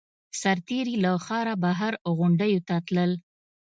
سرتېري له ښاره بهر غونډیو ته تلل.